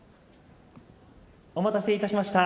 お待たせいたしました。